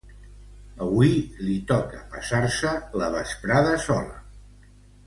Avui li toca passar-se la vesprada sola.